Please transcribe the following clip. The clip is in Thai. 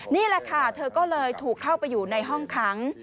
นี่แหละค่ะเธอก็เลยถูกเข้าไปอยู่ในห้องขัง